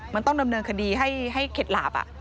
มันต้องดำเนินคดีให้เข็ดหลาบ